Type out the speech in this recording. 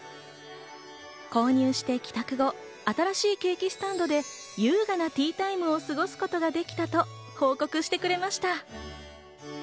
購入して帰宅後、新しいケーキスタンドで優雅なティータイムを過ごすことができたと報告してくれました。